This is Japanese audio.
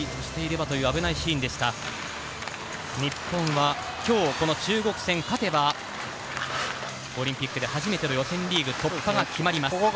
日本は今日、この中国戦勝てばオリンピックで初めての予選リーグ突破が決まります。